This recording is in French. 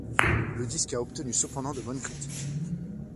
Le disque a obtenu cependant de bonnes critiques.